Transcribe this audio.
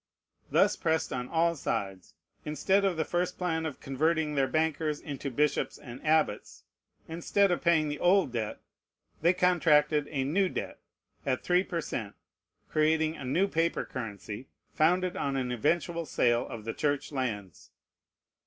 Thus pressed on all sides, instead of the first plan of converting their bankers into bishops and abbots, instead of paying the old debt, they contracted a new debt, at three per cent, creating a new paper currency, founded on an eventual sale of the Church lands.